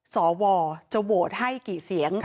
สวจะโหวตให้กี่เสียง